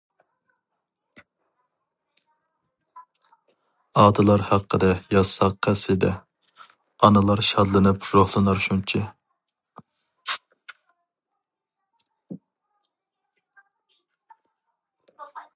ئاتىلار ھەققىدە يازساق قەسىدە، ئانىلار شادلىنىپ روھلىنار شۇنچە.